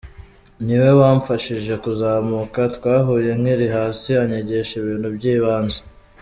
Ni we wamfashije kuzamuka, twahuye nkiri hasi anyigisha ibintu by’ibanze.